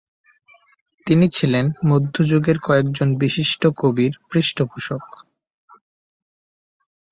তিনি ছিলেন মধ্যযুগের কয়েকজন বিশিষ্ট কবির পৃষ্ঠপোষক।